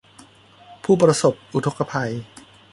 ผู้ประสบอุทกภัย